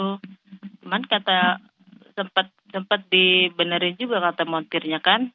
cuman kata sempat dibenerin juga kata motirnya kan